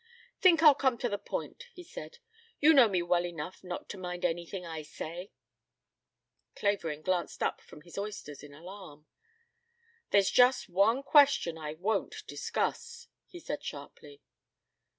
"Think I'll come to the point," he said. "You know me well enough not to mind anything I say." Clavering glanced up from his oysters in alarm. "There's just one question I won't discuss," he said sharply.